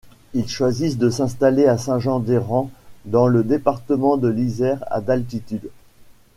Ils choisissent de s'installer à Saint-Jean-d'Hérans dans le département de l'Isère, à d'altitude.